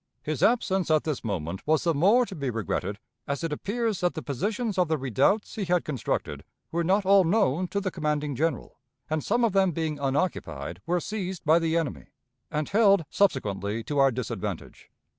His absence at this moment was the more to be regretted, as it appears that the positions of the redoubts he had constructed were not all known to the commanding General, and some of them being unoccupied were seized by the enemy, and held subsequently to our disadvantage.